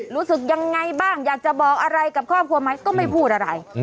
รู้สึกยังไงบ้างอยากจะบอกอะไรกับครอบครัวไหมก็ไม่พูดอะไร